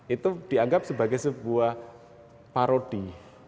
itu dianggap sebagai sebuah parodi